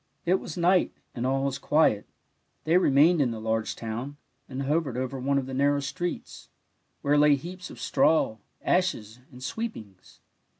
It was night, and all was quiet; they remained in the large town, and hovered over one of the nar row streets, where lay heaps of straw, ashes, and sweepings.